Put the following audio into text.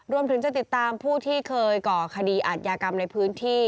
รวมถึงจะติดตามผู้ที่เคยก่อคดีอาจยากรรมในพื้นที่